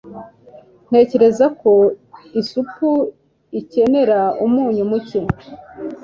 Ntekereza ko isupu ikenera umunyu muke.